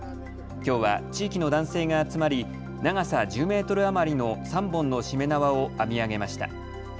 きょうは地域の男性が集まり長さ１０メートル余りの３本のしめ縄を編み上げました。